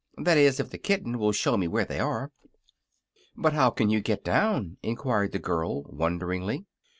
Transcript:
"That is, if the kitten will show me where they are." "But how can you get down?" enquired the girl, wonderingly.